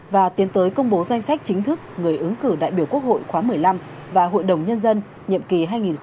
và tiến tới công bố danh sách chính thức người ứng cử đại biểu quốc hội khóa một mươi năm và hội đồng nhân dân nhiệm kỳ hai nghìn hai mươi một hai nghìn hai mươi sáu